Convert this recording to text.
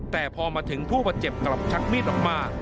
แต่พอมาถึงผู้บาดเจ็บกลับชักมีดออกมา